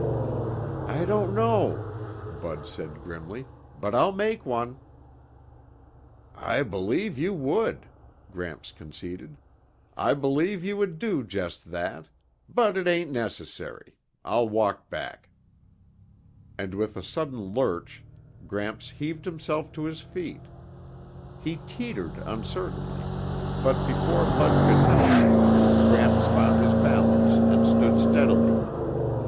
"I don't know," Bud said grimly, "but I'll make one." "I believe you would," Gramps conceded. "I believe you would do just that, but it ain't necessary. I'll walk back." And with a sudden lurch, Gramps heaved himself to his feet. He teetered uncertainly, but before Bud could help, Gramps found his balance and stood steadily.